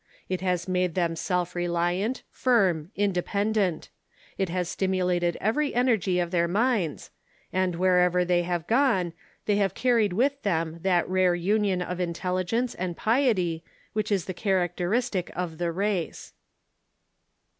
It has made them self reliant, firm, independent; it has stimulated every energy of their minds, and wh(!i'ever they have [foiKi they liave carried with tliem that rare union of intelligence and piety which is the characteristic of the race.